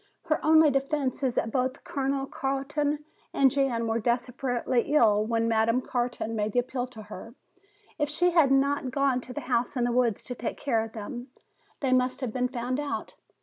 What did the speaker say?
"Her only defense is that both Colonel Carton and Jan were desperately ill when Madame Carton made the appeal to her. If she had not gone to the house in the woods to take care of them, they must have been found out.